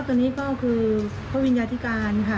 ค่ะก็ตัวนี้ก็คือพระวิญญาธิการค่ะ